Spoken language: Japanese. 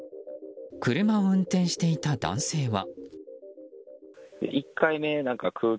車を運転していた男性は。